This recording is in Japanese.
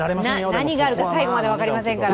何があるか、最後まで分かりませんから。